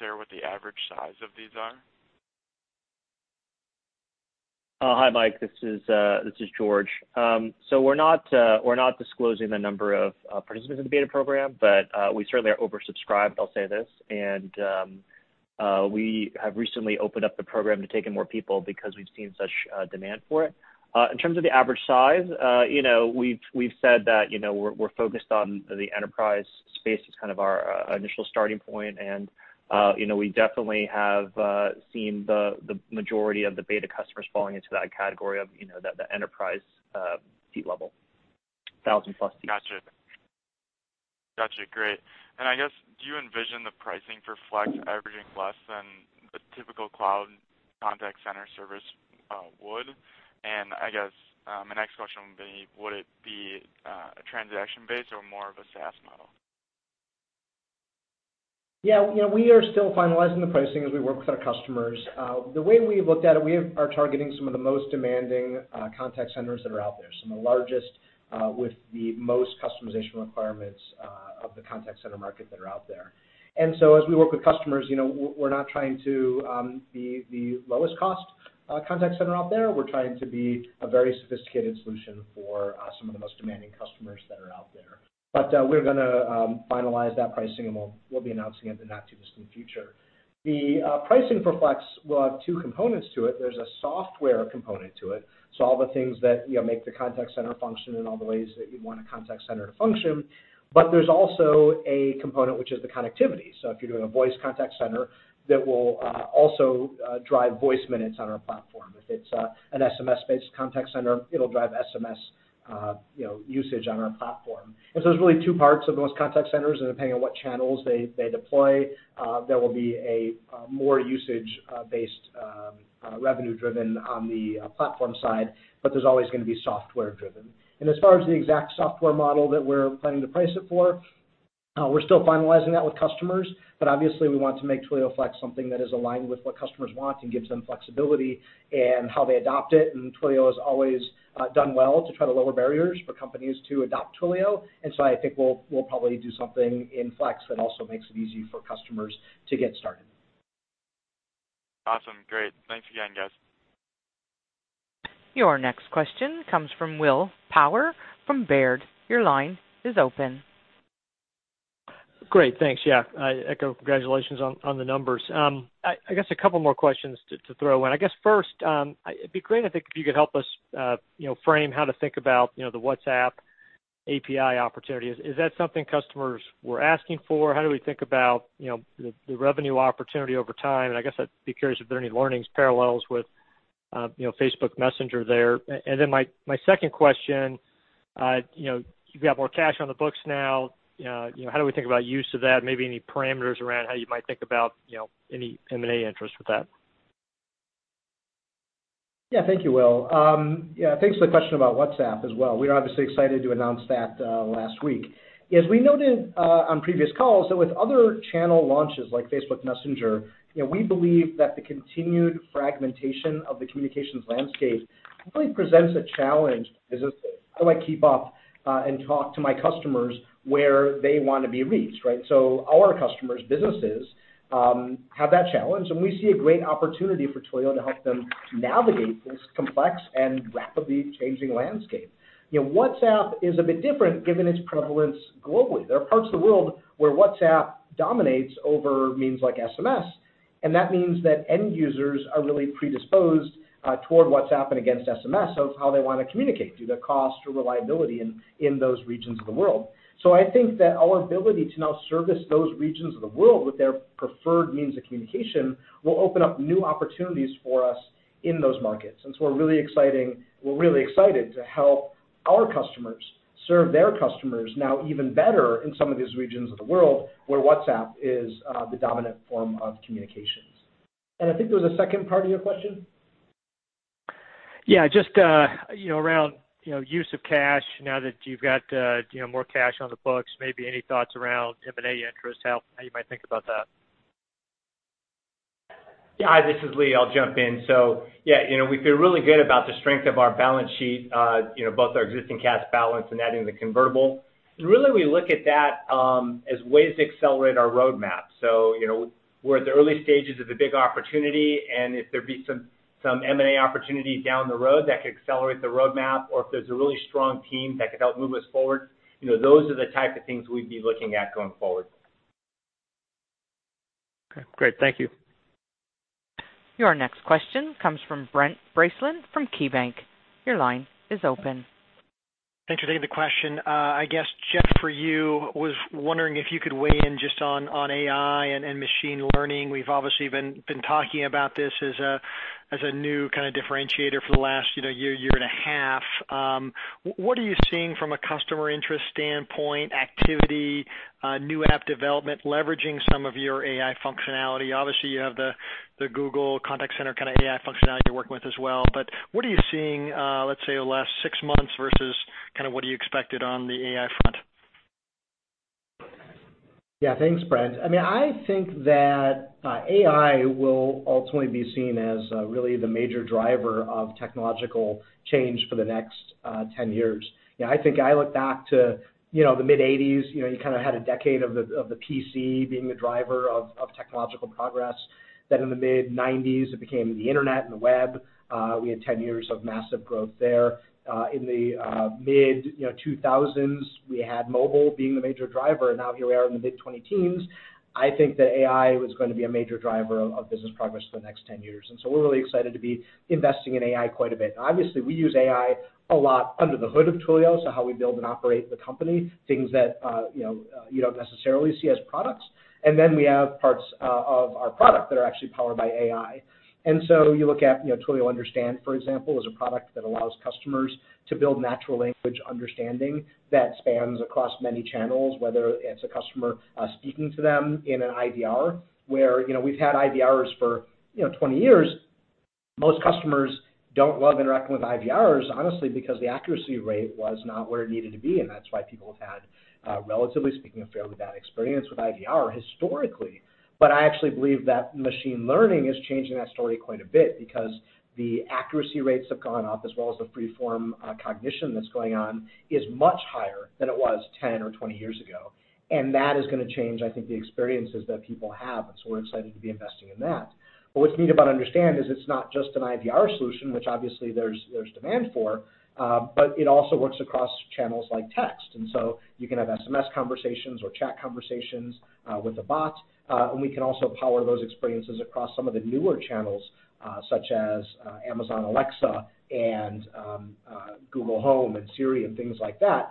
[SPEAKER 15] share what the average size of these are.
[SPEAKER 4] Hi, Mike. This is George. We're not disclosing the number of participants in the beta program, but we certainly are oversubscribed, I'll say this. We have recently opened up the program to take in more people because we've seen such demand for it. In terms of the average size, we've said that we're focused on the enterprise space as kind of our initial starting point, and we definitely have seen the majority of the beta customers falling into that category of the enterprise seat level, 1,000-plus seats.
[SPEAKER 15] Got you. Great. I guess, do you envision the pricing for Flex averaging less than the typical cloud contact center service would? I guess my next question would be, would it be transaction-based or more of a SaaS model?
[SPEAKER 3] Yeah. We are still finalizing the pricing as we work with our customers. The way we have looked at it, we are targeting some of the most demanding contact centers that are out there, some of the largest, with the most customization requirements of the contact center market that are out there. As we work with customers, we're not trying to be the lowest cost contact center out there. We're trying to be a very sophisticated solution for some of the most demanding customers that are out there. We're going to finalize that pricing, and we'll be announcing it in the not-too-distant future. The pricing for Twilio Flex will have two components to it. There's a software component to it, so all the things that make the contact center function in all the ways that you'd want a contact center to function. There's also a component, which is the connectivity. If you're doing a voice contact center, that will also drive voice minutes on our platform. If it's an SMS-based contact center, it'll drive SMS usage on our platform. There's really two parts of most contact centers, and depending on what channels they deploy, there will be a more usage-based, revenue-driven on the platform side, but there's always going to be software-driven. As far as the exact software model that we're planning to price it for, we're still finalizing that with customers, but obviously, we want to make Twilio Flex something that is aligned with what customers want and gives them flexibility in how they adopt it. Twilio has always done well to try to lower barriers for companies to adopt Twilio. I think we'll probably do something in Twilio Flex that also makes it easy for customers to get started.
[SPEAKER 15] Awesome. Great. Thanks again, guys.
[SPEAKER 1] Your next question comes from William Power from Baird. Your line is open.
[SPEAKER 16] Great. Thanks. Yeah. I echo congratulations on the numbers. I guess a couple more questions to throw in. I guess first, it'd be great, I think, if you could help us frame how to think about the WhatsApp API opportunity. Is that something customers were asking for? How do we think about the revenue opportunity over time? I guess I'd be curious if there are any learnings, parallels with Facebook Messenger there. My second question, you've got more cash on the books now. How do we think about use of that? Maybe any parameters around how you might think about any M&A interest with that.
[SPEAKER 3] Yeah. Thank you, Will. Yeah, thanks for the question about WhatsApp as well. We were obviously excited to announce that last week. As we noted on previous calls, so with other channel launches like Facebook Messenger, we believe that the continued fragmentation of the communications landscape really presents a challenge, as if, how do I keep up and talk to my customers where they want to be reached, right? Our customers, businesses, have that challenge, and we see a great opportunity for Twilio to help them navigate this complex and rapidly changing landscape. WhatsApp is a bit different given its prevalence globally. There are parts of the world where WhatsApp dominates over means like SMS, and that means that end users are really predisposed toward WhatsApp and against SMS of how they want to communicate due to cost or reliability in those regions of the world. I think that our ability to now service those regions of the world with their preferred means of communication will open up new opportunities for us in those markets. We're really excited to help our customers serve their customers now even better in some of these regions of the world where WhatsApp is the dominant form of communications. I think there was a second part of your question?
[SPEAKER 16] Yeah, just around use of cash now that you've got more cash on the books, maybe any thoughts around M&A interest, how you might think about that.
[SPEAKER 5] Yeah. Hi, this is Lee. I'll jump in. Yeah, we feel really good about the strength of our balance sheet, both our existing cash balance and adding the convertible. Really we look at that as ways to accelerate our roadmap. We're at the early stages of the big opportunity, and if there be some M&A opportunity down the road that could accelerate the roadmap, or if there's a really strong team that could help move us forward, those are the type of things we'd be looking at going forward.
[SPEAKER 16] Okay, great. Thank you.
[SPEAKER 1] Your next question comes from Brent Bracelin from KeyBanc. Your line is open.
[SPEAKER 17] Thanks for taking the question. I guess, Jeff, for you, was wondering if you could weigh in just on AI and machine learning. We've obviously been talking about this as a new kind of differentiator for the last year and a half. What are you seeing from a customer interest standpoint, activity, new app development, leveraging some of your AI functionality? Obviously, you have the Google Contact Center kind of AI functionality you're working with as well, but what are you seeing, let's say, over the last six months versus kind of what you expected on the AI front?
[SPEAKER 3] Thanks, Brent. I think that AI will ultimately be seen as really the major driver of technological change for the next 10 years. I think I look back to the mid-'80s, you kind of had a decade of the PC being the driver of technological progress. In the mid-'90s, it became the internet and the web. We had 10 years of massive growth there. In the mid-2000s, we had mobile being the major driver, and now here we are in the mid-20-teens. I think that AI is going to be a major driver of business progress for the next 10 years. We're really excited to be investing in AI quite a bit. Obviously, we use AI a lot under the hood of Twilio, so how we build and operate the company, things that you don't necessarily see as products. We have parts of our product that are actually powered by AI. You look at Twilio Understand, for example, is a product that allows customers to build natural language understanding that spans across many channels, whether it's a customer speaking to them in an IVR where we've had IVRs for 20 years. Most customers don't love interacting with IVRs, honestly, because the accuracy rate was not where it needed to be, and that's why people have had, relatively speaking, a fairly bad experience with IVR historically. I actually believe that machine learning is changing that story quite a bit because the accuracy rates have gone up, as well as the free-form cognition that's going on is much higher than it was 10 or 20 years ago. That is going to change, I think, the experiences that people have. We're excited to be investing in that. What's neat about Understand is it's not just an IVR solution, which obviously there's demand for, but it also works across channels like text. You can have SMS conversations or chat conversations with a bot, and we can also power those experiences across some of the newer channels, such as Amazon Alexa and Google Home and Siri and things like that.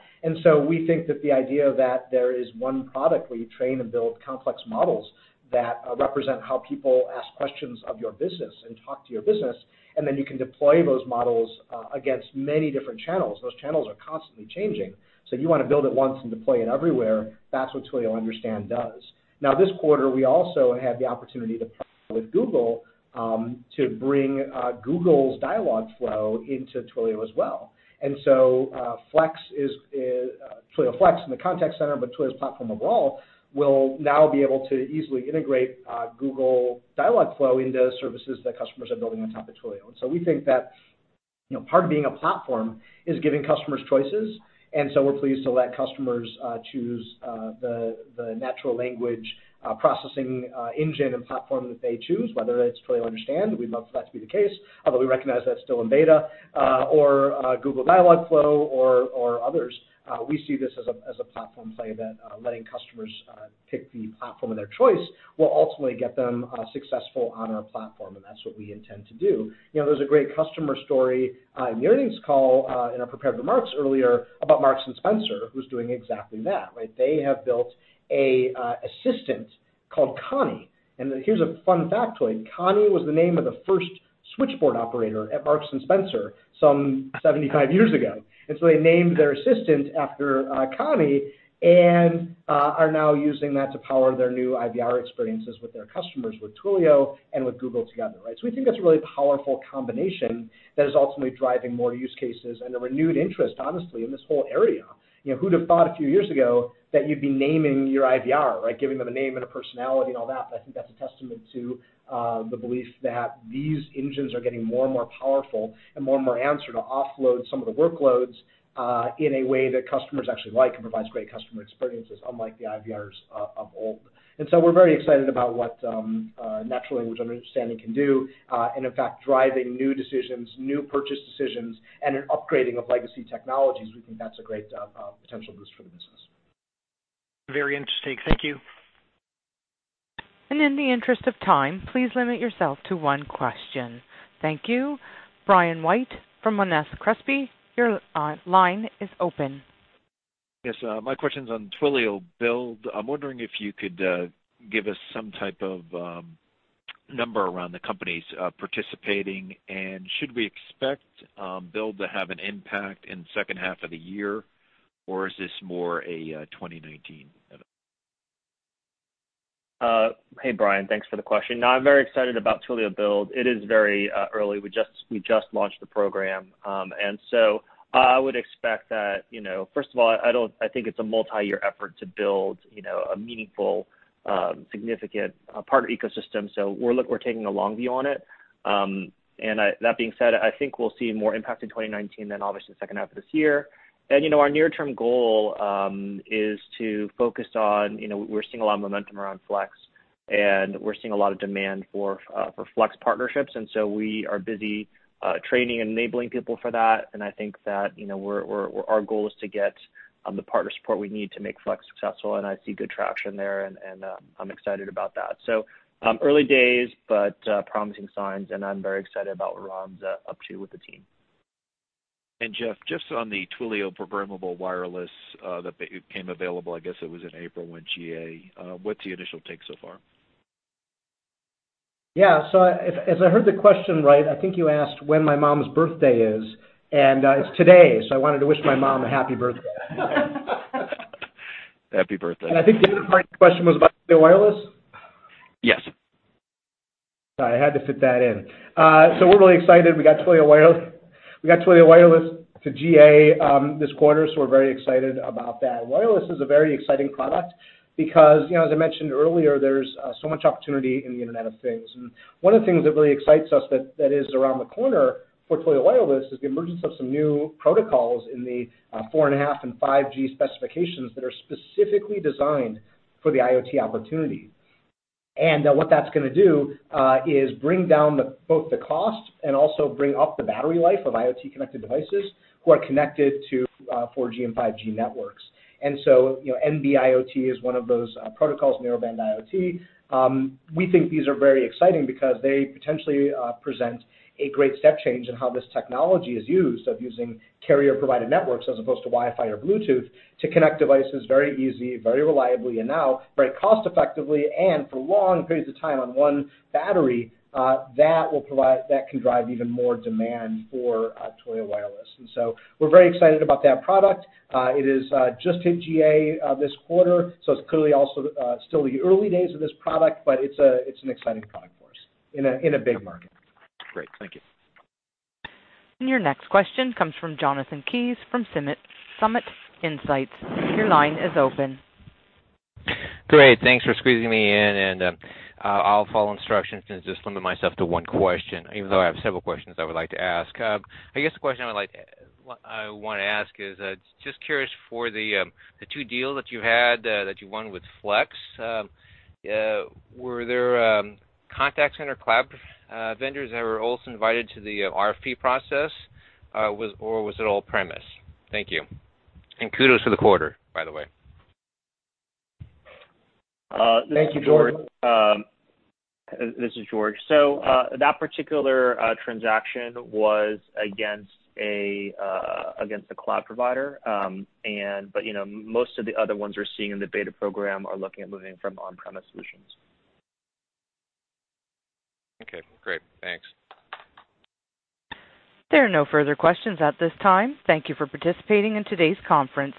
[SPEAKER 3] We think that the idea that there is one product where you train and build complex models that represent how people ask questions of your business and talk to your business, and then you can deploy those models against many different channels. Those channels are constantly changing. If you want to build it once and deploy it everywhere, that's what Twilio Understand does. This quarter, we also had the opportunity to partner with Google, to bring Google's Dialogflow into Twilio as well. Twilio Flex in the contact center, but Twilio's platform of all will now be able to easily integrate Google Dialogflow into services that customers are building on top of Twilio. We think that part of being a platform is giving customers choices, and we're pleased to let customers choose the natural language processing engine and platform that they choose, whether that's Twilio Understand, we'd love for that to be the case, although we recognize that's still in beta, or Google Dialogflow or others. We see this as a platform play that letting customers pick the platform of their choice will ultimately get them successful on our platform, and that's what we intend to do. There's a great customer story in the earnings call, in our prepared remarks earlier about Marks & Spencer, who's doing exactly that, right? They have built a assistant called Connie, and here's a fun factoid. Connie was the name of the first switchboard operator at Marks & Spencer some 75 years ago, and they named their assistant after Connie and are now using that to power their new IVR experiences with their customers with Twilio and with Google together, right? We think that's a really powerful combination that is ultimately driving more use cases and a renewed interest, honestly, in this whole area. Who'd have thought a few years ago that you'd be naming your IVR, right? Giving them a name and a personality and all that. I think that's a testament to the belief that these engines are getting more and more powerful and more and more answer to offload some of the workloads, in a way that customers actually like and provides great customer experiences, unlike the IVRs of old. We're very excited about what natural language understanding can do. In fact, driving new decisions, new purchase decisions, and an upgrading of legacy technologies, we think that's a great potential boost for the business.
[SPEAKER 17] Very interesting. Thank you.
[SPEAKER 1] In the interest of time, please limit yourself to one question. Thank you. Brian White from Monness Crespi, your line is open.
[SPEAKER 18] Yes. My question's on Twilio Build. I'm wondering if you could give us some type of number around the companies participating, and should we expect Build to have an impact in second half of the year, or is this more a 2019 event?
[SPEAKER 4] Hey, Brian. Thanks for the question. No, I'm very excited about Twilio Build. It is very early. We just launched the program. I would expect that, first of all, I think it's a multi-year effort to build a meaningful, significant partner ecosystem. We're taking a long view on it. That being said, I think we'll see more impact in 2019 than obviously the second half of this year. Our near-term goal is to focus on, we're seeing a lot of momentum around Flex, and we're seeing a lot of demand for Flex partnerships. We are busy training and enabling people for that. I think that our goal is to get the partner support we need to make Flex successful, and I see good traction there, and I'm excited about that. Early days, but promising signs, and I'm very excited about what Ron's up to with the team.
[SPEAKER 18] Jeff, just on the Twilio Programmable Wireless that became available, I guess it was in April, when GA. What's the initial take so far?
[SPEAKER 3] Yeah. If I heard the question right, I think you asked when my mom's birthday is, and it's today. I wanted to wish my mom a happy birthday.
[SPEAKER 18] Happy birthday.
[SPEAKER 3] I think the other part of the question was about the wireless?
[SPEAKER 18] Yes.
[SPEAKER 3] Sorry, I had to fit that in. We're really excited. We got Twilio Wireless to GA this quarter, we're very excited about that. Wireless is a very exciting product because, as I mentioned earlier, there's so much opportunity in the Internet of Things. One of the things that really excites us that is around the corner for Twilio Wireless is the emergence of some new protocols in the 4.5 and 5G specifications that are specifically designed for the IoT opportunity. What that's going to do is bring down both the cost and also bring up the battery life of IoT connected devices who are connected to 4G and 5G networks. NB-IoT is one of those protocols, Narrowband IoT. We think these are very exciting because they potentially present a great step change in how this technology is used, of using carrier-provided networks as opposed to Wi-Fi or Bluetooth, to connect devices very easy, very reliably, and now very cost effectively, and for long periods of time on one battery. That can drive even more demand for Twilio Wireless. We're very excited about that product. It just hit GA this quarter, it's clearly also still the early days of this product, but it's an exciting product for us in a big market.
[SPEAKER 18] Great. Thank you.
[SPEAKER 1] Your next question comes from Jonathan Kees from Summit Insights. Your line is open.
[SPEAKER 19] Great. Thanks for squeezing me in. I'll follow instructions and just limit myself to one question, even though I have several questions I would like to ask. I guess the question I want to ask is, just curious for the two deals that you had, that you won with Flex. Were there contact center cloud vendors that were also invited to the RFP process, or was it all premise? Thank you. Kudos for the quarter, by the way.
[SPEAKER 3] Thank you, Jonathan.
[SPEAKER 4] This is George. That particular transaction was against a cloud provider. Most of the other ones we're seeing in the beta program are looking at moving from on-premise solutions.
[SPEAKER 19] Okay, great. Thanks.
[SPEAKER 1] There are no further questions at this time. Thank you for participating in today's conference.